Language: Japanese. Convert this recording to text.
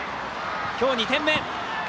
今日２点目！